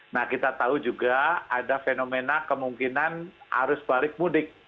nah kita tahu juga ada fenomena kemungkinan arus balik mudik